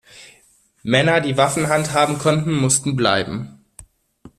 Männer, die Waffen handhaben konnten, mussten bleiben.